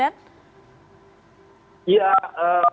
ya yang pasti pemilih itu paling utama fokusnya pada calon presiden